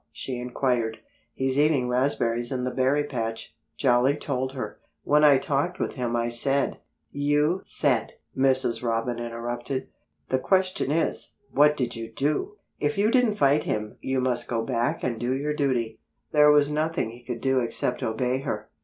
she inquired. "He's eating raspberries in the berry patch," Jolly told her. "When I talked with him I said——" "You said!" Mrs. Robin interrupted. "You said! The question is, what did you do? If you didn't fight him you must go back and do your duty." There was nothing he could do except obey her.